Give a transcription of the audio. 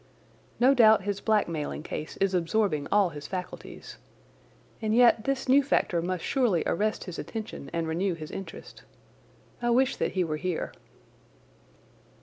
No doubt his blackmailing case is absorbing all his faculties. And yet this new factor must surely arrest his attention and renew his interest. I wish that he were here.